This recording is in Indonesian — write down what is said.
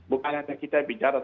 bukan hanya kita bicara